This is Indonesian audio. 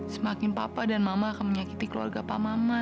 semakin papa dan mama akan menyakiti keluarga pak mama